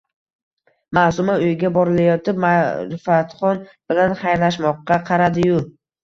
Maʼsuma uyiga burilayotib, Maʼrifatxon bilan xayrlashmoqqa qaradi-yu